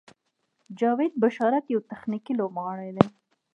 جاوید بشارت یو تخنیکي لوبغاړی دی.